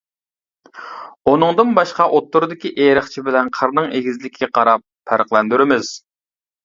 ئۇنىڭدىن باشقا ئوتتۇرىدىكى ئېرىقچە بىلەن قىرنىڭ ئېگىزلىكىگە قاراپ پەرقلەندۈرىمىز.